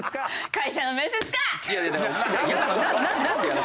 会社の面接か！